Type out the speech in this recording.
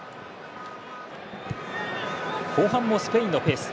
後半もスペインのペース。